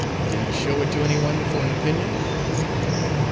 Did he show it to any one for an opinion?